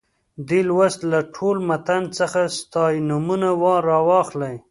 دې لوست له ټول متن څخه ستاینومونه راواخلئ.